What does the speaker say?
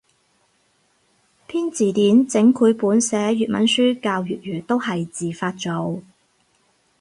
編字典整繪本寫粵文書教粵語都係自發做